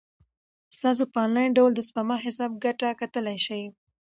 تاسو په انلاین ډول د سپما حساب ګټه کتلای شئ.